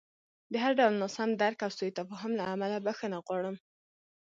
د هر ډول ناسم درک او سوء تفاهم له امله بښنه غواړم.